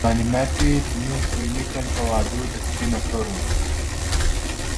ځوانیمرګ دي زموږ زلمي کړل په وعدو د سپینو حورو